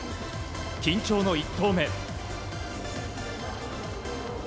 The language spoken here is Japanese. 緊張の１投目。